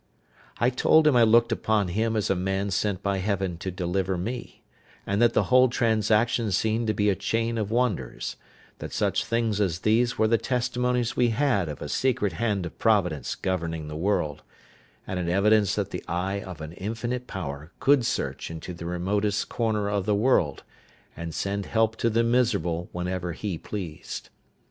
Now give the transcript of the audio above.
I told him I looked upon him as a man sent by Heaven to deliver me, and that the whole transaction seemed to be a chain of wonders; that such things as these were the testimonies we had of a secret hand of Providence governing the world, and an evidence that the eye of an infinite Power could search into the remotest corner of the world, and send help to the miserable whenever He pleased.